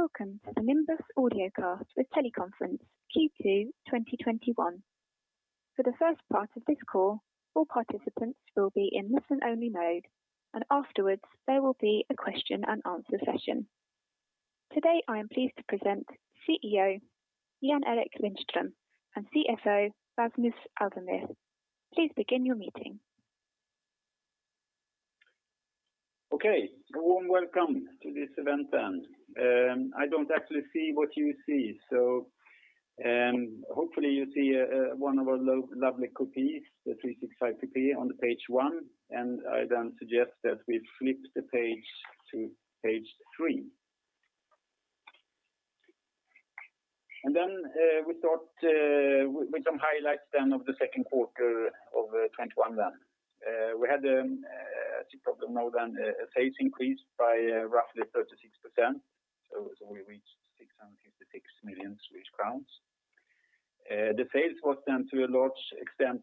Welcome to the Nimbus Audiocast with Teleconference Q2 2021. For the first part of this call, all participants will be in listen-only mode, and afterwards, there will be a question and answer session. Today, I am pleased to present CEO Jan-Erik Lindström and CFO Rasmus Alvemyr. Please begin your meeting. Okay. A warm welcome to this event. I don't actually see what you see, so hopefully you see one of our lovely Coupés, the 365 Coupé on the page one, and I then suggest that we flip the page to page three. We start with some highlights then of the second quarter of 2021. We had a tick of the net sales increase by roughly 36%, so we reached 656 million Swedish crowns. The sales was done to a large extent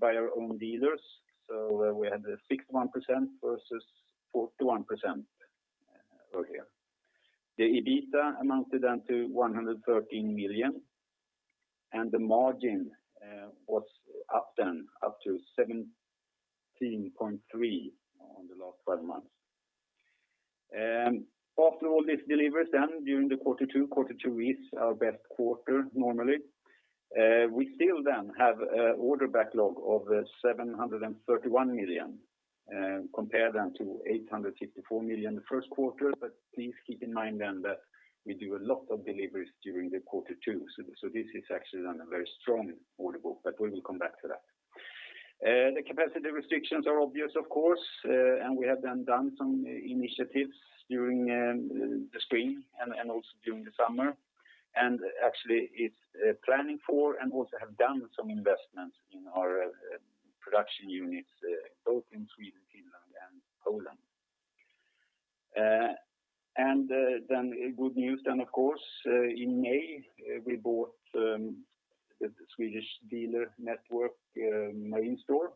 by our own dealers, so we had 61% versus 41% earlier. The EBITDA amounted to 113 million, and the margin was up to 17.3% on the last 12 months. After all these deliveries, during the quarter two, quarter two is our best quarter normally. We still then have order backlog of 731 million compared to 854 million the first quarter. Please keep in mind then that we do a lot of deliveries during the quarter two. This is actually a very strong order book, but we will come back to that. The capacity restrictions are obvious, of course, we have done some initiatives during the spring and also during the summer. Actually it's planning for and also have done some investments in our production units, both in Sweden, Finland, and Poland. Good news then, of course, in May, we bought the Swedish dealer network, Marine Store.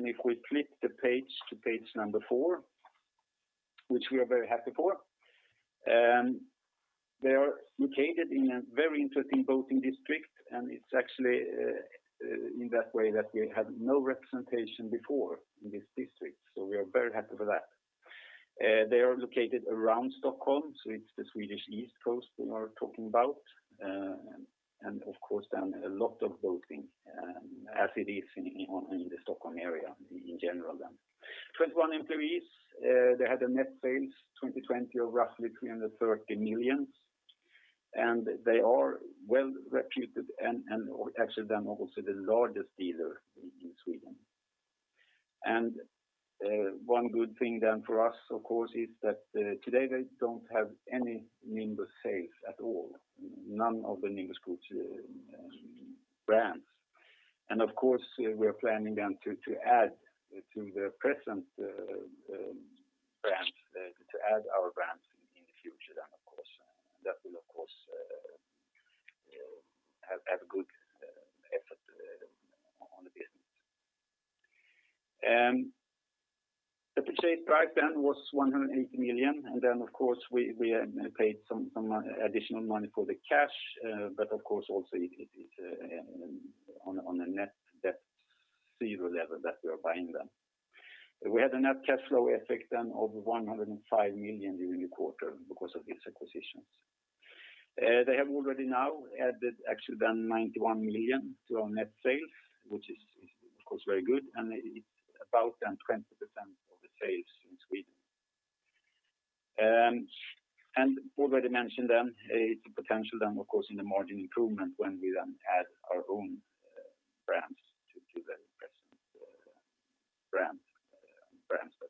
If we flip the page to page four, which we are very happy for. They are located in a very interesting boating district, and it's actually in that way that we had no representation before in this district, so we are very happy for that. They are located around Stockholm, so it's the Swedish east coast we are talking about. Of course then a lot of boating, as it is in the Stockholm area in general then. 21 employees, they had a net sales 2020 of roughly 330 million. They are well reputed and actually then also the largest dealer in Sweden. One good thing then for us, of course, is that today they don't have any Nimbus sales at all, none of the Nimbus Group brands. Of course, we are planning then to add to the present brands, to add our brands in the future then, of course. That will of course have a good effort on the business. The purchase price then was 180 million, then of course, we had paid some additional money for the cash, but of course also it is on a net debt zero level that we are buying them. We had a net cash flow effect then of 105 million during the quarter because of these acquisitions. They have already now added actually then 91 million to our net sales, which is of course very good, it is about 20% of the sales in Sweden. Already mentioned then, it is a potential then of course in the margin improvement when we then add our own brands to the present brands that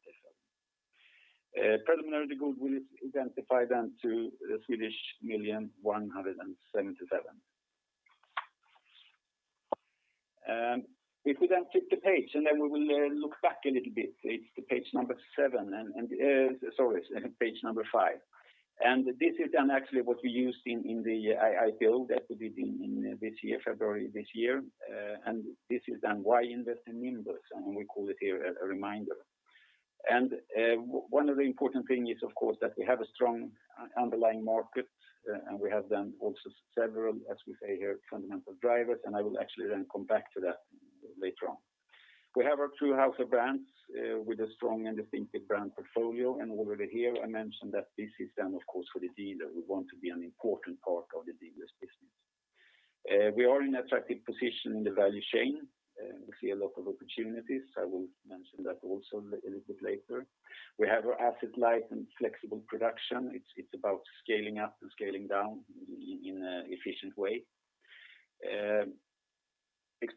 they sell. Preliminary goodwill is identified then to 177 million. If we then flip the page, then we will look back a little bit. It is the page number seven, sorry, page number five. This is then actually what we used in the IPO that we did in February this year. This is then why invest in Nimbus, and we call it here a reminder. One of the important thing is of course that we have a strong underlying market and we have then also several, as we say here, fundamental drivers, and I will actually then come back to that later on. We have our true house of brands with a strong and distinctive brand portfolio, and already here I mentioned that this is then of course for the dealer. We want to be an important part of the dealer's business. We are in attractive position in the value chain. We see a lot of opportunities. I will mention that also a little bit later. We have our asset light and flexible production. It's about scaling up and scaling down in an efficient way.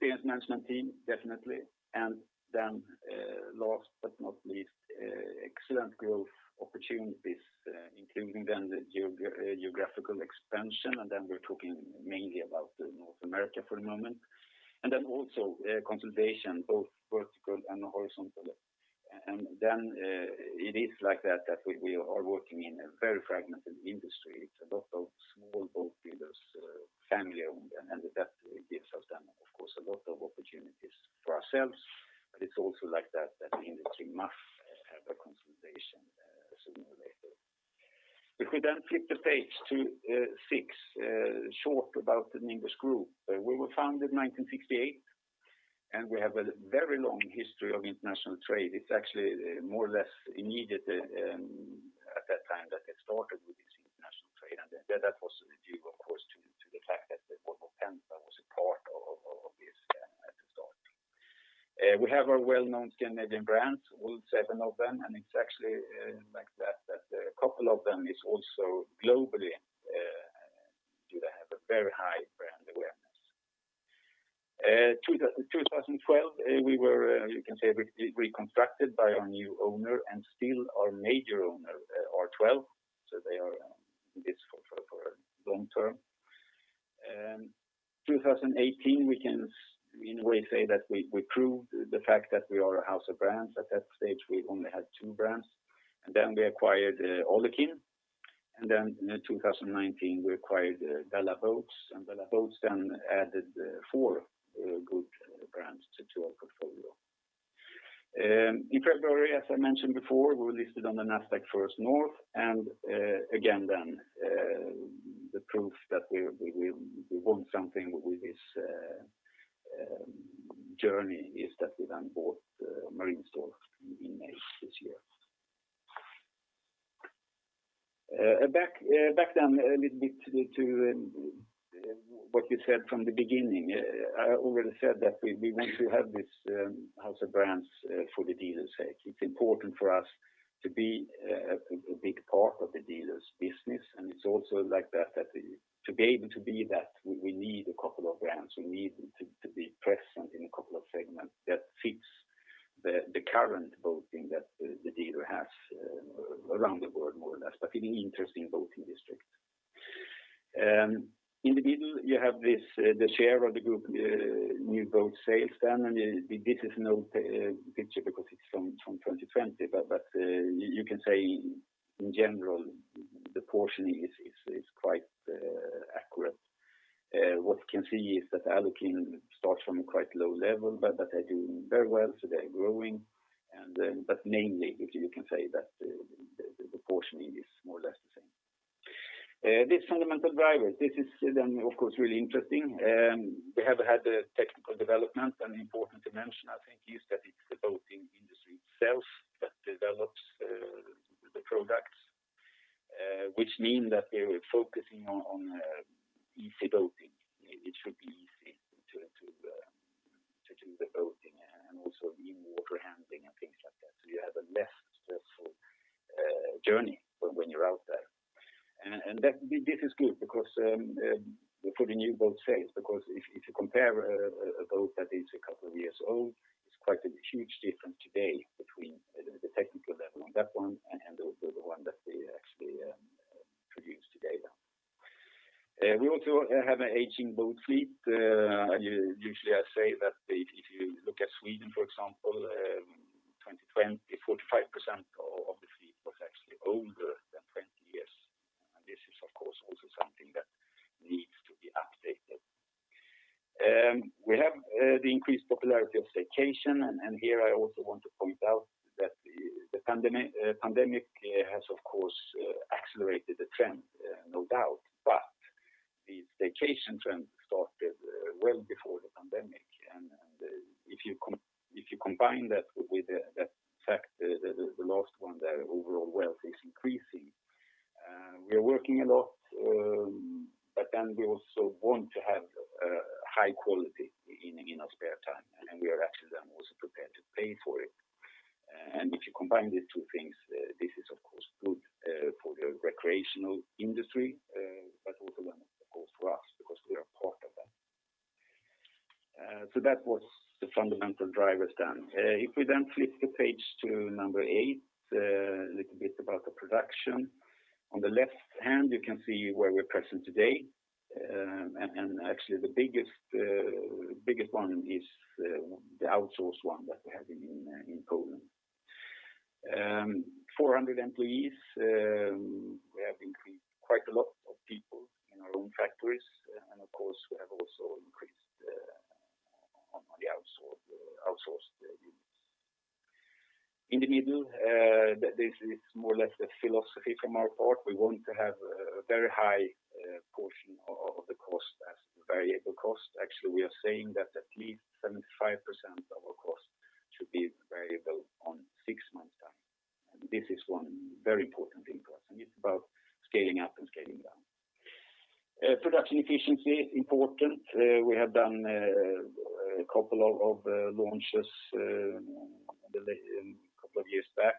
Experienced management team, definitely. Last but not least, excellent growth opportunities, including then the geographical expansion, and then we're talking mainly about North America for the moment. Also consolidation, both vertical and horizontal. It is like that we are working in a very fragmented industry. It's a lot of small boat builders, family-owned and that. There's a lot of opportunities for ourselves, but it's also like that the industry must have a consolidation sooner or later. If we flip the page to six, short about the Nimbus Group. We were founded in 1968, and we have a very long history of international trade. It's actually more or less needed at that time that it started with this international trade. That was due, of course, to the fact that Volvo Penta was a part of this at the start. We have our well-known Scandinavian brands, all seven of them. It's actually like that a couple of them is also globally do they have a very high brand awareness. 2012, we were, you can say reconstructed by our new owner and still our major owner, R12. They are in this for long term. 2018, we can in a way say that we proved the fact that we are a house of brands. At that stage, we only had two brands. Then we acquired Alukin. Then in 2019, we acquired Bella Boats. Bella Boats then added four good brands to our portfolio. In February, as I mentioned before, we were listed on the Nasdaq First North and again then the proof that we want something with this journey is that we then bought Marine Store in May this year. Back then a little bit to what you said from the beginning. I already said that we want to have this house of brands for the dealer's sake. It's important for us to be a big part of the dealer's business, and it's also like that to be able to be that, we need a couple of brands. We need to be present in a couple of segments that fits the current boating that the dealer has around the world, more or less, but in interesting boating districts. In the middle, you have this, the share of the group new boat sales then, and this is an old picture because it's from 2020, but you can say in general, the portion is quite accurate. What you can see is that Alukin starts from a quite low level, but they're doing very well, so they're growing. Namely, if you can say that the portion is more or less the same. These fundamental drivers, this is then of course really interesting. We have had the technical development. An important dimension, I think, is that it's the boating industry itself that develops the products which mean that we're focusing on easy boating. It should be easy to do the boating and also in water handling and things like that, so you have a less stressful journey when you're out there. This is good for the new boat sales because if you compare a boat that is a couple of years old, it's quite a huge difference today between the technical level on that one and the one that we actually produce today now. We also have an aging boat fleet. Usually, I say that if you look at Sweden, for example, 2020, 45% of the fleet was actually older than 20 years. This is of course, also something that needs to be updated. We have the increased popularity of staycation, and here I also want to point out that the pandemic has, of course, accelerated the trend, no doubt, but the staycation trend started well before the pandemic, and if you combine that with the fact, the last one there, overall wealth is increasing. We are working a lot, but then we also want to have high quality in our spare time, and we are actually then also prepared to pay for it. If you combine these two things, this is of course good for the recreational industry, but also then of course for us, because we are part of that. That was the fundamental drivers then. If we then flip the page to number eight, a little bit about the production. On the left hand, you can see where we are present today. Actually the biggest one is the outsourced one that we have in Poland. 400 employees. We have increased quite a lot of people in our own factories. Of course, we have also increased on the outsourced units. In the middle, this is more or less the philosophy from our part. We want to have a very high portion of the cost as variable cost. Actually, we are saying that at least 75% of our cost should be variable on six months' time. This is one very important thing for us, and it's about scaling up and scaling down. Production efficiency is important. We have done a couple of launches a couple of years back.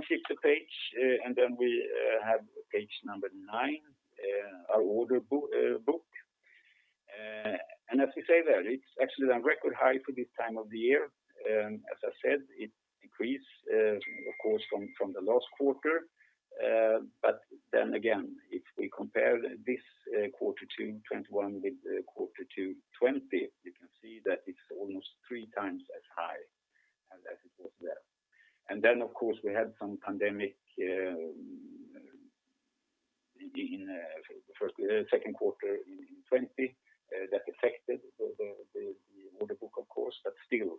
For example, the Nimbus WTC series, where we worked a lot to have actually done one platform, one technical platform for a lot of different models. This is of course important, that it's not only the product, it's also the process that we need to work with. Flip the page, and then we have page number nine, our order book. As we say there, it's actually a record high for this time of the year. As I said, it decreased, of course, from the last quarter. If we compare this quarter to 2021 with quarter to 2020, you can see that it's almost 3 times as high as it was there. Of course, we had some pandemic in the second quarter in 2020 that affected the order book, of course, but still,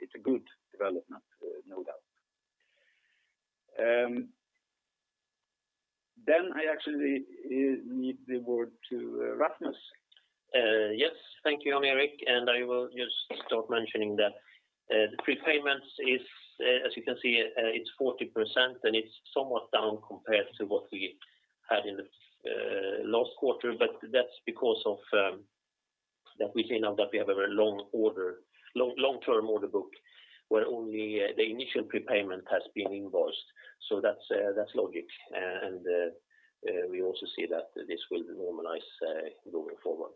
it's a good development, no doubt. I actually leave the word to Rasmus. Yes. Thank you, Jan-Erik. I will just start mentioning that the prepayments, as you can see, it's 40%, and it's somewhat down compared to what we had in the last quarter, but that's because of that we have a very long-term order book where only the initial prepayment has been invoiced. That's logic. We also see that this will normalize going forward.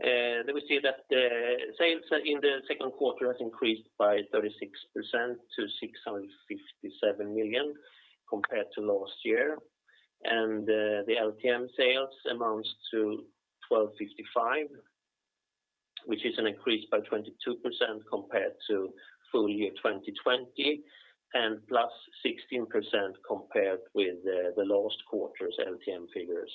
If we flip to page 10, we see that the sales in the second quarter has increased by 36% to 657 million compared to last year. The LTM sales amounts to 1,255, which is an increase by 22% compared to full year 2020 and +16% compared with the last quarter's LTM figures.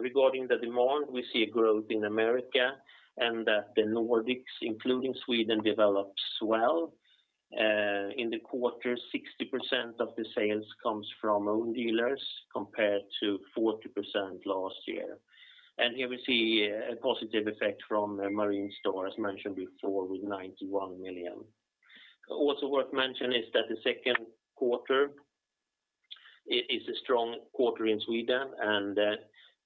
Regarding the demand, we see a growth in America and that the Nordics, including Sweden, develops well. In the quarter, 60% of the sales comes from own dealers, compared to 40% last year. Here we see a positive effect from Marine Store, as mentioned before, with 91 million. Also worth mentioning is that the second quarter is a strong quarter in Sweden, and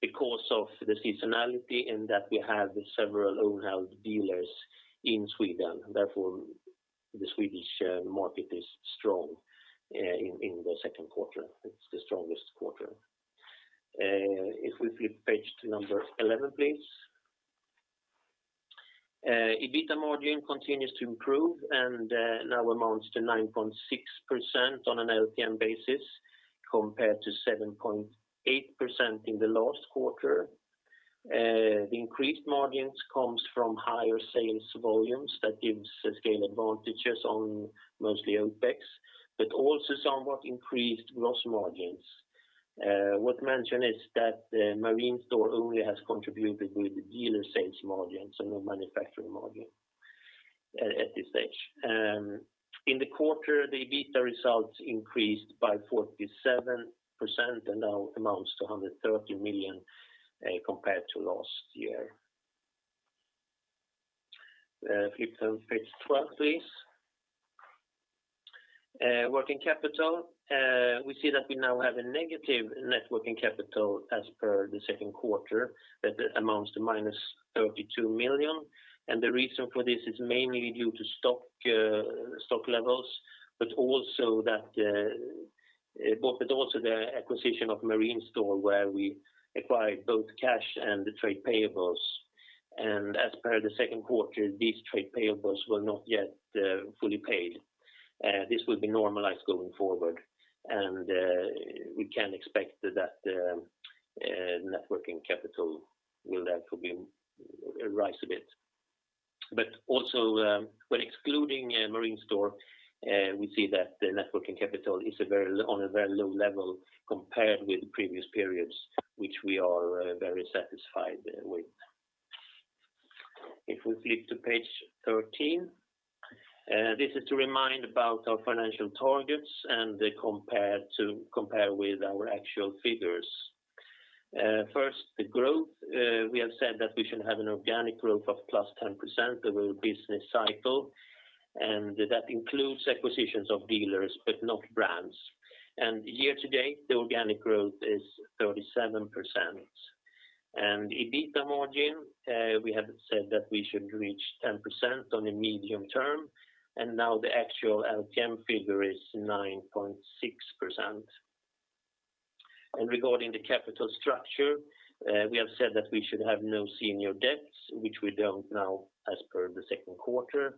because of the seasonality in that we have several own held dealers in Sweden, therefore the Swedish market is strong in the second quarter. It's the strongest quarter. If we flip page to number 11, please. EBITDA margin continues to improve and now amounts to 9.6% on an LTM basis compared to 7.8% in the last quarter. The increased margins comes from higher sales volumes that gives us scale advantages on mostly OpEx, but also somewhat increased gross margins. Worth mentioning is that Marine Store only has contributed with the dealer sales margins and no manufacturing margin at this stage. In the quarter, the EBITDA results increased by 47% and now amounts to 130 million compared to last year. Flip to page 12, please. Working capital. We see that we now have a negative net working capital as per the second quarter that amounts to -32 million. The reason for this is mainly due to stock levels, but also the acquisition of Marine Store where we acquired both cash and the trade payables. As per the second quarter, these trade payables were not yet fully paid. This will be normalized going forward. We can expect that net working capital will therefore rise a bit. Also when excluding Marine Store, we see that the net working capital is on a very low level compared with previous periods, which we are very satisfied with. If we flip to page 13, this is to remind about our financial targets and to compare with our actual figures. First, the growth. We have said that we should have an organic growth of plus 10% over the business cycle, that includes acquisitions of dealers but not brands. Year to date, the organic growth is 37%. EBITDA margin, we have said that we should reach 10% on a medium term, and now the actual LTM figure is 9.6%. Regarding the capital structure, we have said that we should have no senior debts, which we don't now as per the second quarter.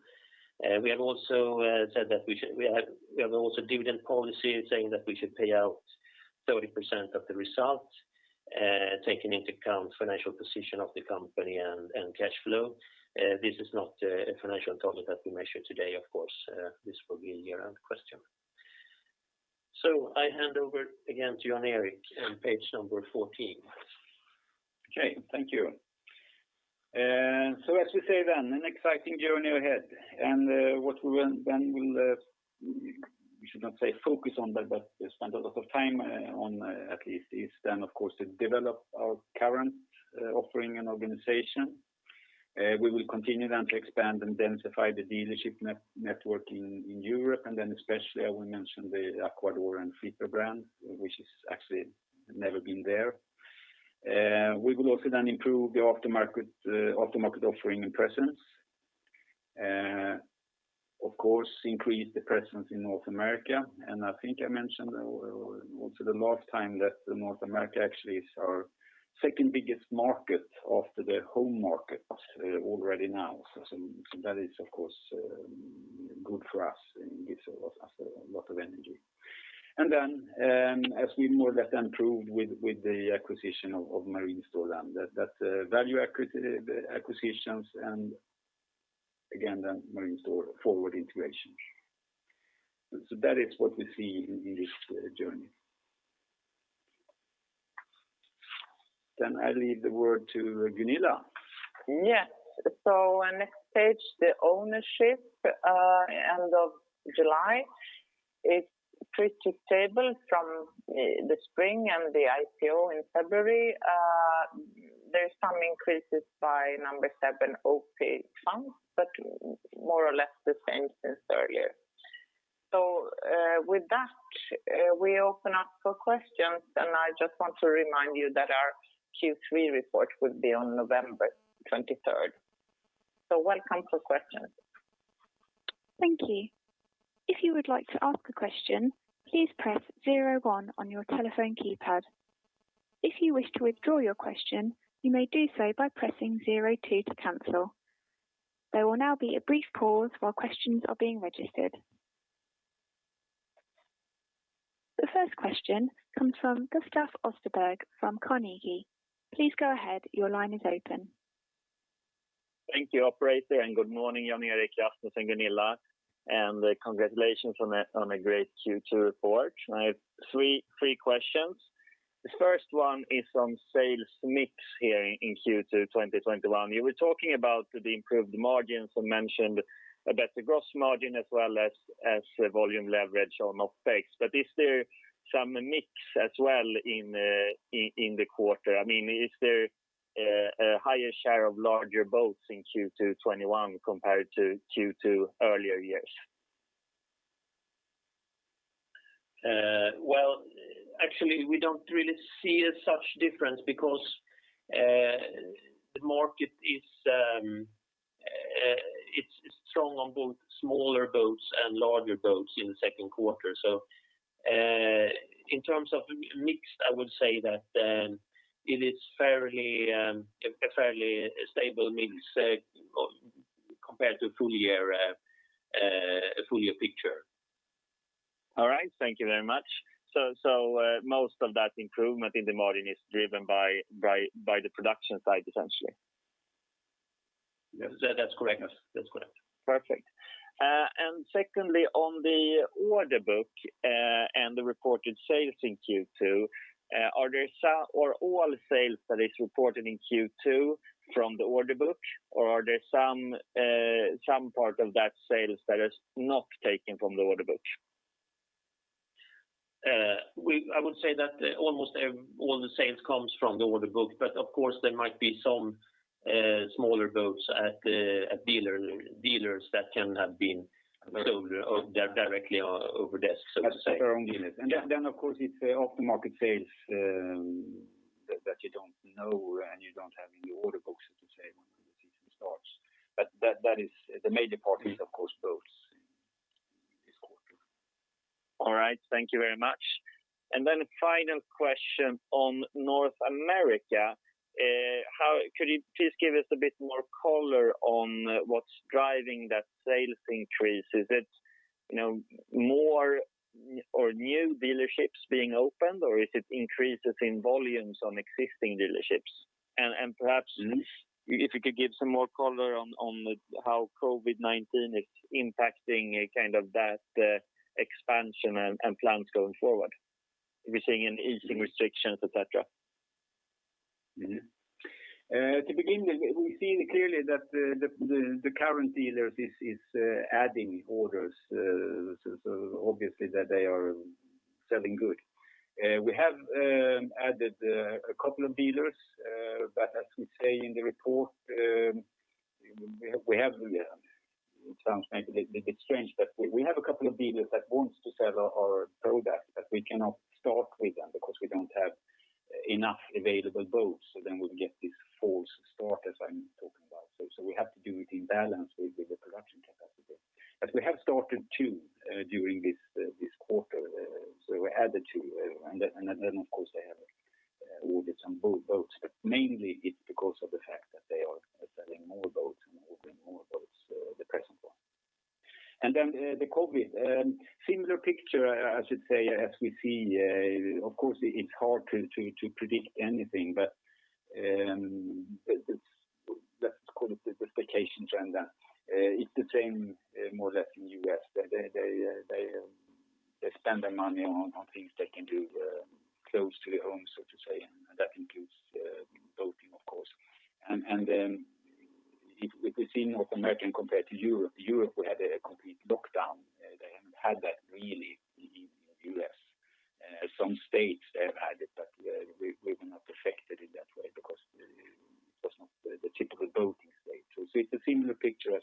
We have also a dividend policy saying that we should pay out 30% of the result, taking into account financial position of the company and cash flow. This is not a financial target that we measure today, of course. This will be a year-end question. I hand over again to Jan-Erik and page number 14. Okay. Thank you. As we say then, an exciting journey ahead. What we then will, we should not say focus on, but spend a lot of time on at least, is then, of course, to develop our current offering and organization. We will continue then to expand and densify the dealership network in Europe, then especially, I will mention the Aquador and Flipper brand, which is actually never been there. We will also then improve the aftermarket offering and presence. Of course, increase the presence in North America, I think I mentioned also the last time that North America actually is our second biggest market after the home market already now. That is, of course, good for us and gives us a lot of energy. As we more or less improved with the acquisition of Marine Store then, that value acquisitions and again, then Marine Store forward integration. That is what we see in this journey. I leave the word to Gunilla. Yes. Next page, the ownership, end of July, it's pretty stable from the spring and the IPO in February. There's some increases by number seven, OP Fonder, but more or less the same since earlier. With that, we open up for questions, and I just want to remind you that our Q3 report will be on November 23rd. Welcome for questions. Thank you. If you would like to ask a question, please press zero one on your telephone keypad. If you wish to withdraw your question, you may do so by pressing zero two to cancel. There will now be a brief pause while questions are being registered. The first question comes from Gustav Österberg from Carnegie. Please go ahead. Your line is open. Thank you, operator, and good morning, Jan-Erik, Rasmus, and Gunilla, and congratulations on a great Q2 report. I have three questions. The first one is on sales mix here in Q2 2021. You were talking about the improved margins and mentioned about the gross margin as well as volume leverage on OpEx. Is there some mix as well in the quarter? Is there a higher share of larger boats in Q2 2021 compared to Q2 earlier years? Well, actually, we don't really see a such difference because the market is strong on both smaller boats and larger boats in the second quarter. In terms of mix, I would say that it is a fairly stable mix compared to a full year picture. All right. Thank you very much. Most of that improvement in the margin is driven by the production side, essentially? Yes, that's correct. Perfect. Secondly, on the order book, and the reported sales in Q2, are all sales that is reported in Q2 from the order book, or are there some part of that sales that is not taken from the order book? I would say that almost all the sales comes from the order book, but of course, there might be some smaller boats at dealers that can have been sold there directly over desk, so to say. That's their own unit. Yeah. Then, of course, it's off the market sales, that you don't know, and you don't have in your order books, so to say, when the season starts. The major part is, of course, boats in this quarter. All right. Thank you very much. Final question on North America. Could you please give us a bit more color on what's driving that sales increase? Is it more or new dealerships being opened, or is it increases in volumes on existing dealerships? If you could give some more color on how COVID-19 is impacting that expansion and plans going forward. Are we seeing an easing restrictions, et cetera? To begin, we've seen clearly that the current dealers is adding orders, so obviously that they are selling good. We have added two dealers, but as we say in the report, it sounds maybe a little bit strange, but we have two dealers that want to sell our product, but we cannot start with them because we don't have enough available boats, so then we'll get this false start, as I'm talking about. We have to do it in balance with the production capacity. We have started two during this quarter, so we added two, and then, of course, they have ordered some boats. Mainly, it's because of the fact that they are selling more boats and opening more boats at the present one. The COVID-19, similar picture, I should say, as we see. Of course, it's hard to predict anything, let's call it the vacation trend. It's the same more or less in U.S., that they spend their money on things they can do close to the home, so to say, and that includes boating, of course. If we see North America compared to Europe would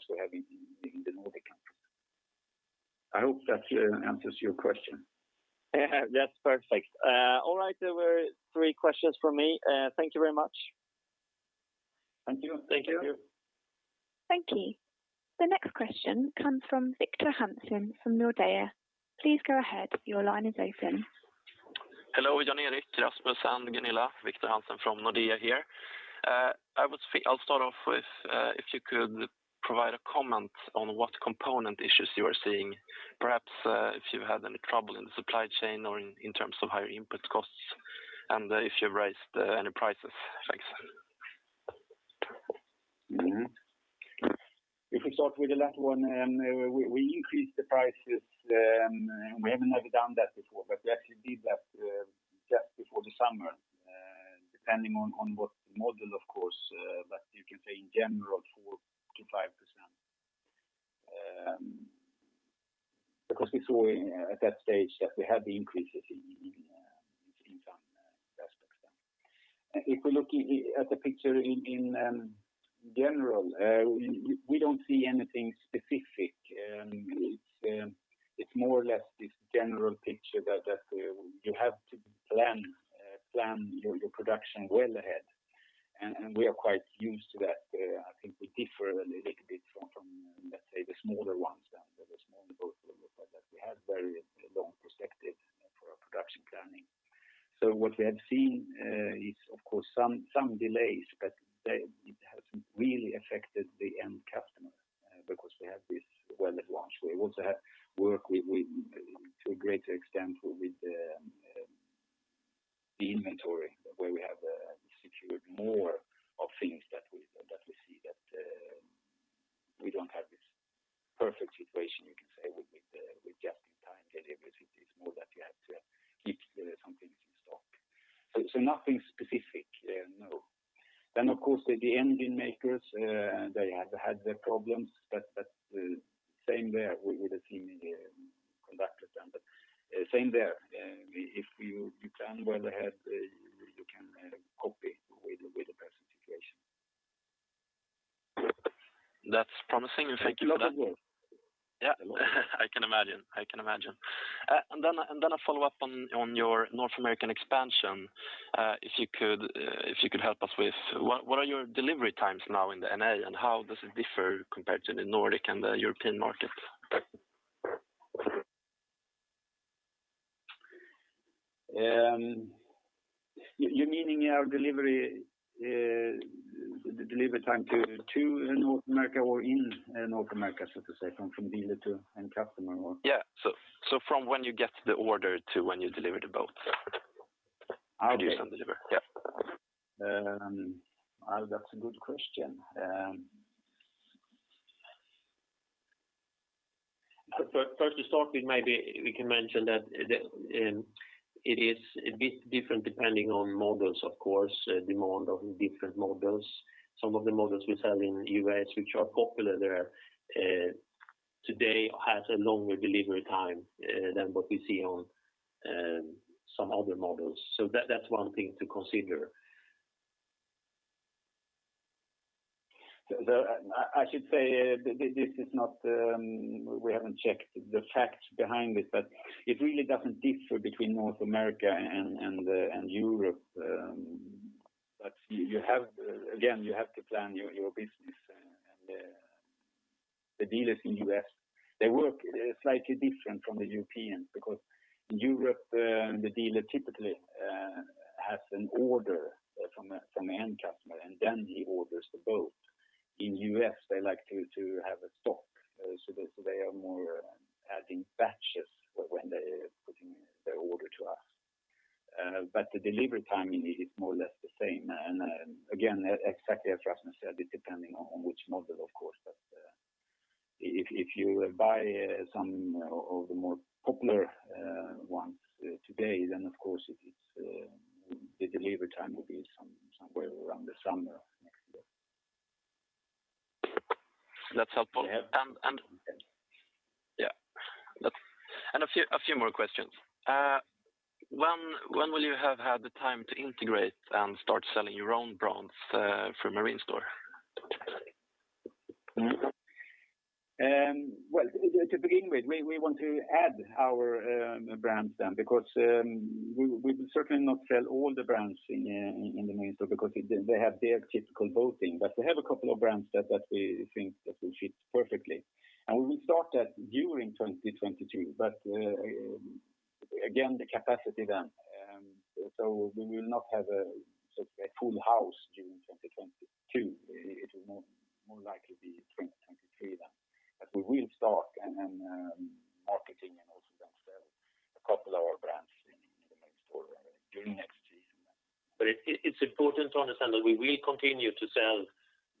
have a complete lockdown. They haven't had that really in the U.S. Some states, they have had it, but we were not affected in that way because it was not the typical boating state. It's a similar picture as we have in Europe. I hope that answers your question. That's perfect. All right. There were three questions from me. Thank you very much. Thank you. Thank you. Thank you. The next question comes from Victor Hansen from Nordea. Hello, Jan-Erik, Rasmus, and Gunilla. Victor Hansen from Nordea here. I'll start off with if you could provide a comment on what component issues you are seeing, perhaps if you had any trouble in the supply chain or in terms of higher input costs and if you've raised any prices. Thanks. We start with the last one, we increased the prices. We have never done that before, but we actually did that just before the summer, depending on what model, of course, but you can say in general 4%-5%. We saw at that stage that we had the increases in some aspects then. We look at the picture in general, we don't see anything specific. It's more or less this general picture that you have to plan your production well ahead, and we are quite used to that. I think we differ a little bit from, let's say, the smaller ones than the small boat builder, but that we had very long perspective for our production planning. What we have seen is, of course, some delays, but it hasn't really affected the end customer because we have this well at launch. We also have worked to a greater extent with the inventory where we have secured more of things that we see that we don't have this perfect situation, you can say, with just in time delivery. It's more that you have to keep some things in stock. Nothing specific, no. Of course, the engine makers, they have had their problems, same there. We would have seen in the conductors then, same there. If you plan well ahead, you can cope with the present situation. That's promising, and thank you for that. It's a lot of work. Yeah. I can imagine. A follow-up on your North American expansion. If you could help us with what are your delivery times now in the NA, and how does it differ compared to the Nordic and the European market? You're meaning our delivery time to North America or in North America, so to say, from dealer to end customer or? Yeah. From when you get the order to when you deliver the boat. Okay. Production deliver. Yeah. That's a good question. First, to start with maybe we can mention that it is a bit different depending on models, of course, demand on different models. Some of the models we sell in U.S., which are popular there, today has a longer delivery time than what we see on some other models. That's one thing to consider. I should say we haven't checked the facts behind it, but it really doesn't differ between North America and Europe. Again, you have to plan your business and the dealers in U.S., they work slightly different from the Europeans because in Europe, the dealer typically has an order from the end customer, and then he orders the boat. In U.S., they like to have a stock. They are more adding batches when they're putting their order to us. The delivery timing is more or less the same. Again, exactly as Rasmus said, it's depending on which model, of course. If you buy some of the more popular ones today, of course, the delivery time will be somewhere around the summer of next year. That's helpful. Yeah. A few more questions. When will you have had the time to integrate and start selling your own brands for Marine Store? To begin with, we want to add our brands because we certainly not sell all the brands in the Marine Store because they have their typical boating. We have a couple of brands that we think that will fit perfectly, and we will start that during 2022. Again, the capacity, we will not have a full house during 2022. It will more likely be 2023 then. We will start and marketing and also then sell a couple of our brands in the Marine Store during next year. It's important to understand that we will continue to sell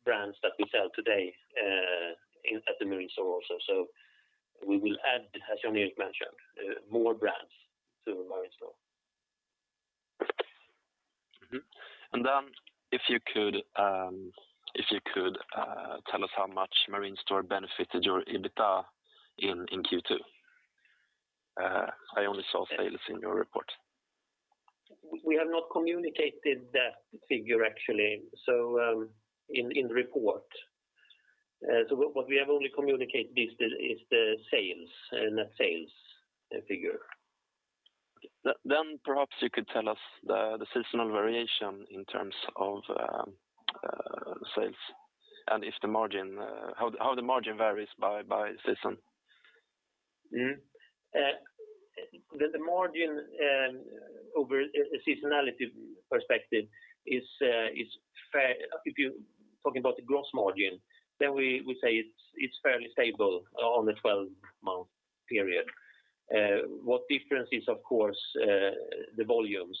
brands that we sell today at the Marine Store also. We will add, as Jan-Erik mentioned, more brands to Marine Store. Mm-hmm. If you could tell us how much Marine Store benefited your EBITDA in Q2? I only saw sales in your report. We have not communicated that figure actually in the report. What we have only communicated is the sales figure. Perhaps you could tell us the seasonal variation in terms of sales and how the margin varies by season. The margin over a seasonality perspective, if you're talking about the gross margin, we say it's fairly stable on the 12-month period. What difference is, of course, the volumes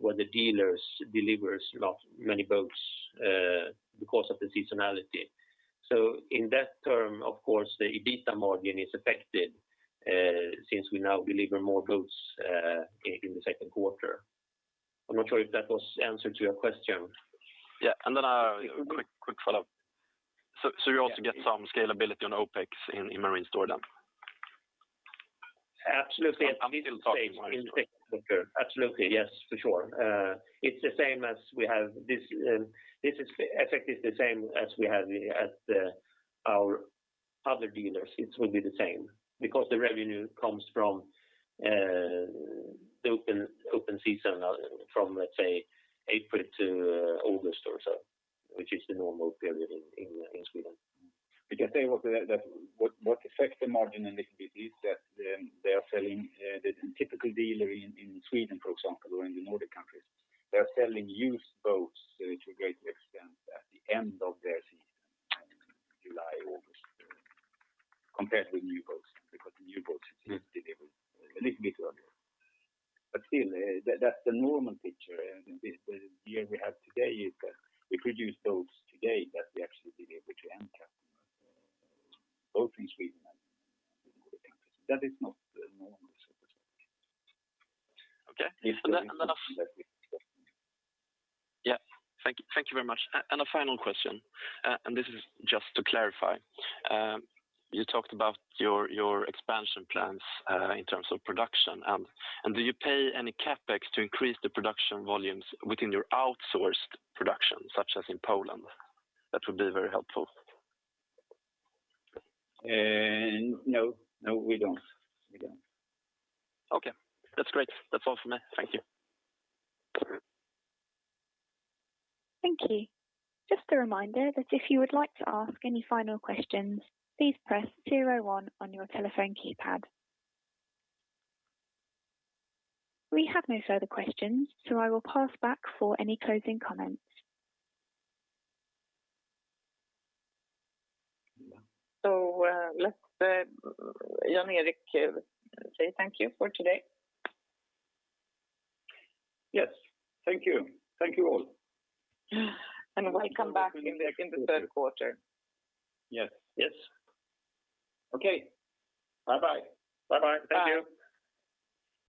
when the dealers deliver many boats because of the seasonality. In that term, of course, the EBITDA margin is affected since we now deliver more boats in the second quarter. I'm not sure if that was the answer to your question. Yeah. A quick follow-up. You also get some scalability on OpEx in Marine Store? Absolutely. I'm still talking. Absolutely. Yes, for sure. This effect is the same as we have at our other dealers. It will be the same because the revenue comes from the open season from, let's say, April to August or so, which is the normal period in Sweden. What affects the margin a little bit is that a typical dealer in Sweden, for example, or in the Nordic countries, they are selling used boats to a great extent at the end of their season, July, August compared with new boats, because new boats are delivered a little bit earlier. Still, that's the normal picture. The year we have today is that we produce boats today that we actually deliver to end customers, both in Sweden and in other countries. That is not normal, so to speak. Okay. Yeah. Thank you very much. A final question, and this is just to clarify. You talked about your expansion plans in terms of production. Do you pay any CapEx to increase the production volumes within your outsourced production, such as in Poland? That would be very helpful. No, we don't. Okay. That's great. That's all from me. Thank you. Thank you. Just a reminder that if you would like to ask any final questions, please press zero one on your telephone keypad. We have no further questions. I will pass back for any closing comments. Let Jan-Erik say thank you for today. Yes. Thank you. Thank you all. Welcome back in the third quarter. Yes. Okay. Bye bye. Bye bye. Thank you. Bye.